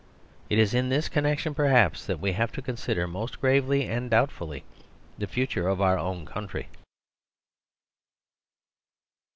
It is in this connection, perhaps, that we have to consider most gravely and doubtfully the future of our own country.